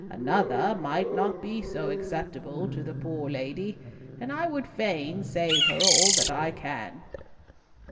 Another might not be so acceptable to the poor lady, and I would fain save her all that I can."